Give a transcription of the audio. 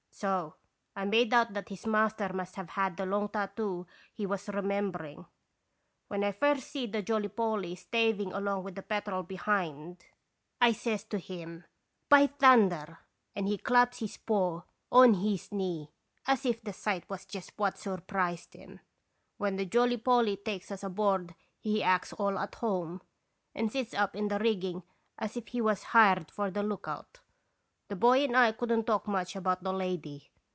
So I made out that his master must have had the long tattoo he was remem bering. When 1 first see the Jolly Polly stav ing along with the Petrel behind, I says to i86 & Gracious bisitation. him :* By thunder !' And he claps his paw on his knee, as if the sight was just what sur prised him. When the Jolly Polly takes us aboard he acts all at home, and sits up in the rigging as if he was hired for the lookout. The boy and I could n't talk much about the lady.